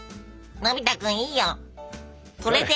のび太くんいいよそれで！